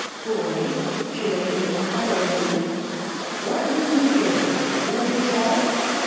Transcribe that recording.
"Boy" she looked at me inquiringly "what you do here will you tell?"